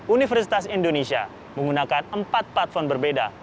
universitas indonesia menggunakan empat platform berbeda